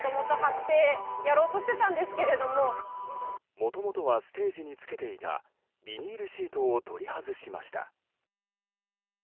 もともとはステージにつけていたビニールシートを取り外しました。